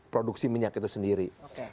produksi minyak itu sendiri